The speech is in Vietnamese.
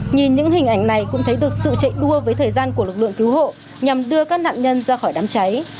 nhìn những hình ảnh này cũng thấy được sự chạy đua với thời gian của lực lượng cứu hộ nhằm đưa các nạn nhân ra khỏi đám cháy